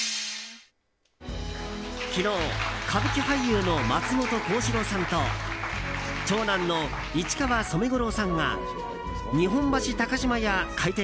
昨日歌舞伎俳優の松本幸四郎さんと長男の市川染五郎さんが日本橋高島屋開店